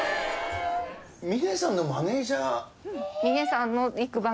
峰さんのマネージャー？